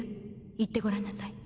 言ってごらんなさい。